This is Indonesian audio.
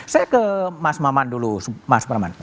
saya ke mas maman dulu mas praman